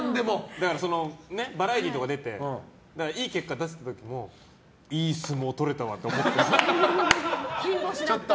だからバラエティーとか出ていい結果出せた時もいい相撲とれたわって思ってそう。